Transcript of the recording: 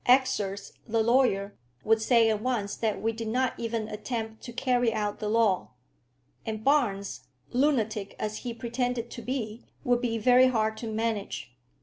Exors, the lawyer, would say at once that we did not even attempt to carry out the law; and Barnes, lunatic as he pretended to be, would be very hard to manage.